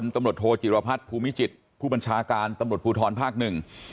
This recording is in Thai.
ตำรวจโทจิรพัฒน์ภูมิจิตรผู้บัญชาการตำรวจภูทรภาคหนึ่ง